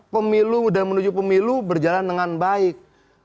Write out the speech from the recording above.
pemilu dan menuju pemilu berjalan dengan baik